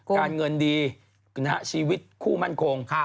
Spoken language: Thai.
การเงินดีชีวิตคู่มั่นคง